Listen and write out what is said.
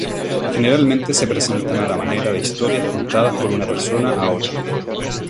Generalmente se presentan a la manera de historias contadas por una persona a otra.